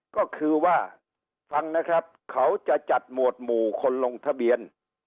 ก็คือว่าฟังนะครับเขาจะจัดหมวดหมู่คนลงทะเบียน